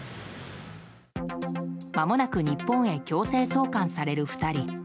まもなく日本へ強制送還される２人。